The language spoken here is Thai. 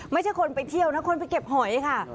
ไม่ใช่คนไปเที่ยวนะคนไปเก็บหอยค่ะ